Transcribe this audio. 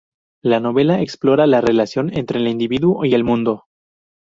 La novela explora la relación entre el individuo y el mundo.